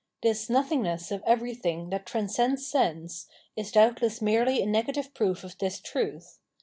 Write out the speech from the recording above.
This nothingness of everything that transcends sense is doubtless merely a negative proof of this truth.